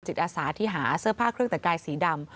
อาสาที่หาเสื้อผ้าเครื่องแต่งกายสีดำ